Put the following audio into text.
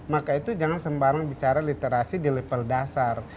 maka itu jangan sembarang bicara literasi di level dasar